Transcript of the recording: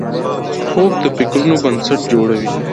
خوب د فکرونو بنسټ جوړوي